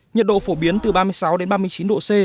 nhiệt độ phổ biến từ ba mươi sáu đến ba mươi chín độ c